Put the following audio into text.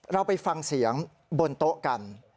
เราไปฟังเสียงบนโต๊ะกัน